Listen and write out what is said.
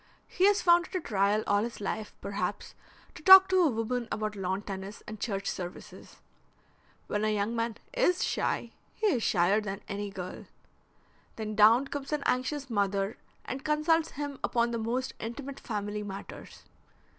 He has found it a trial all his life, perhaps, to talk to a woman about lawn tennis and church services. When a young man is shy he is shyer than any girl. Then down comes an anxious mother and consults him upon the most intimate family matters.